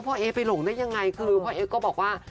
เอ๊ไปหลงได้ยังไงคือพ่อเอ๊ก็บอกว่า